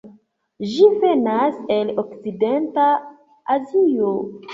Ĝi venas el okcidenta Azio.